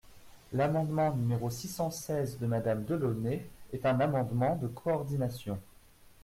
L’amendement numéro six cent seize de Madame Delaunay est un amendement de coordination.